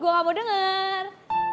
gue gak mau denger